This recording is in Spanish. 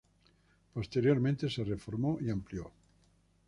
Posteriormente se reformó y amplió.